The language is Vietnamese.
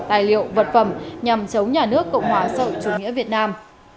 tài liệu vật phẩm nhằm chống nhà nước cộng hòa sợi chủ nghĩa việt nam